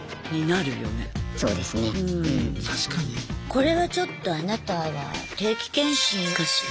これはちょっとあなたは定期検診かしら。